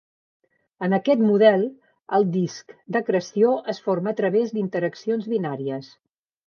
En aquest model, el disc d'acreció es forma a través d'interaccions binàries.